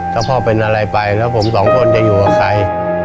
ถ้าพ่อเป็นอะไรไปแล้วผมสองคนจะอยู่กับใคร